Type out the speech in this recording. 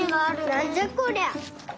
なんじゃこりゃ！